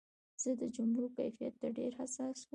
زه د جملو کیفیت ته ډېر حساس وم.